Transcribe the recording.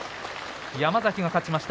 山崎が勝ちました